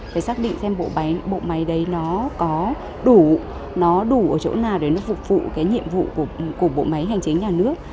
phải xác định xem bộ máy đấy nó có đủ nó đủ ở chỗ nào để nó phục vụ cái nhiệm vụ của bộ máy hành chính nhà nước